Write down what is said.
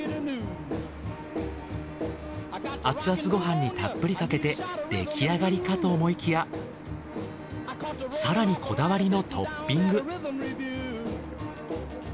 アツアツご飯にたっぷりかけて出来上がりかと思いきや更にこだわりのトッピング。